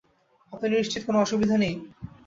আপনি নিশ্চিত কোন অসুবিধা নেই?